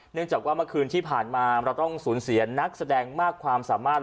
จากว่าเมื่อคืนที่ผ่านมาเราต้องสูญเสียนักแสดงมากความสามารถ